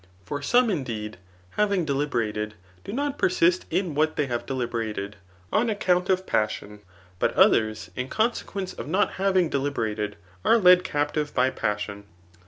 For some, indeed, having deliberated, do not per^t in what they have deliberated, on account of passion ; but others, in consequence of not having deliberated, are led [captive] by passion.